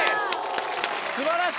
素晴らしい。